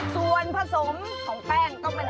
ส่วนผสมของแป้ง